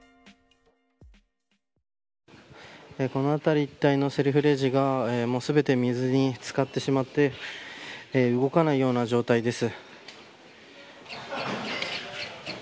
この辺り一帯のセルフレジが全て水に漬かってしまって動かないような状態です。